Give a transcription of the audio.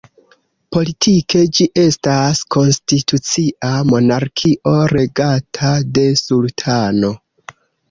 Politike ĝi estas konstitucia monarkio regata de sultano.